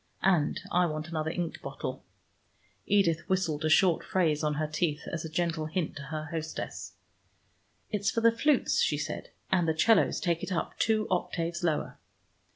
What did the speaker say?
And I want another ink bottle." Edith whistled a short phrase on her teeth, as a gentle hint to her hostess. "It's for the flutes," she said, "and the 'cellos take it up two octaves lower."